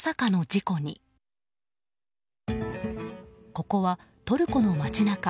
ここはトルコの街中。